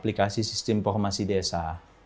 aplikasi sistem informasi desa